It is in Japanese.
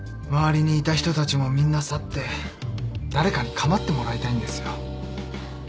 周りにいた人たちもみんな去って誰かに構ってもらいたいんですよ。